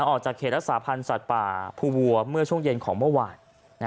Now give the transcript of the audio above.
ออกจากเขตรักษาพันธ์สัตว์ป่าภูวัวเมื่อช่วงเย็นของเมื่อวาน